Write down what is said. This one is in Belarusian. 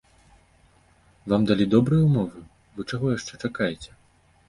Вам далі добрыя ўмовы, вы чаго яшчэ чакаеце?